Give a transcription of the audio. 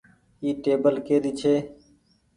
اي ٽيبل ڪري ڇي ۔